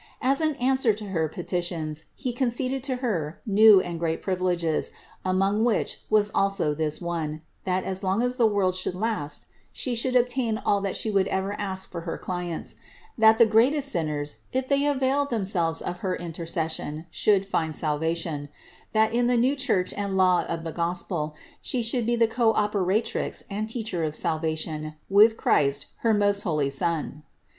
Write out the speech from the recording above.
As an answer to her petitions He conceded to Her new and great privileges, among which was also this one, that, as long as the world should last, She should obtain all that She would ever ask for her clients; that the greatest sinners, if they availed them selves of her intercession, should find salvation; that in THE INCARNATION 519 the new Church and law of the Gospel She should be the Cooperatrix and Teacher of salvation with Christ her most holy Son.